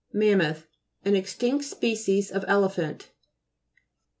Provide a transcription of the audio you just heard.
MAMMOTH An extinct species of elephant.